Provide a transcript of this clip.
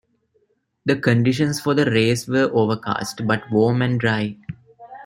The conditions for the race were overcast, but warm and dry.